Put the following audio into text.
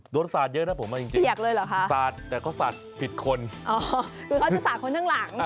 สาดเยอะนะผมมาจริงเลยเหรอคะสาดแต่เขาสาดผิดคนอ๋อคือเขาจะสาดคนข้างหลัง